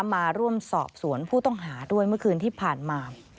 มาร่วมสอบสวนผู้ต้องหาด้วยเมื่อคืนที่ผ่านมา